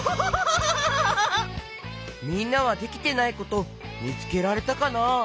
みんなはできてないことみつけられたかな？